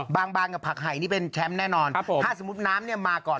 บางบานกับผักไห่นี่เป็นแชมป์แน่นอนครับผมถ้าสมมุติน้ำเนี่ยมาก่อน